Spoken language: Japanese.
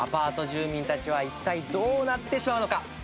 住民たちは一体どうなってしまうのか？